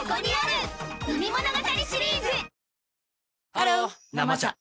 ハロー「生茶」